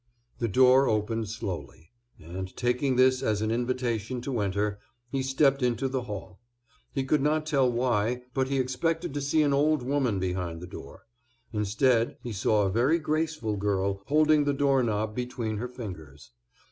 The door opened slowly, and, taking this as an invitation to enter, he stepped into the hall. He could not tell why, but he expected to see an old woman behind the door; instead he saw a very graceful girl holding the door knob between her fingers.